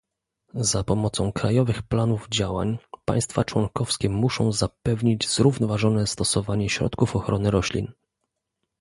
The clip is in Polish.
Za pomocą krajowych planów działań państwa członkowskie muszą zapewnić zrównoważone stosowanie środków ochrony roślin